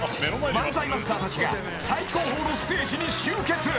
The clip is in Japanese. ［漫才マスターたちが最高峰のステージに集結］